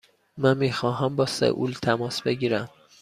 من می خواهم با سئول تماس بگیرم.